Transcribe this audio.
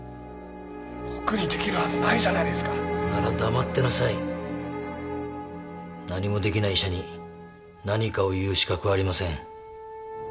僕にできるはずないでしょうなら黙ってなさい何もできない医者に何かを言う資格はありません